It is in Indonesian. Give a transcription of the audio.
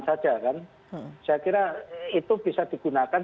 saja kan saya kira itu bisa digunakan